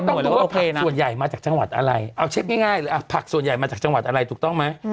ต้องดูว่าส่วนใหญ่มาจากจังหวัดอะไรเอาเช็คง่ายเลยผักส่วนใหญ่มาจากจังหวัดอะไรถูกต้องไหม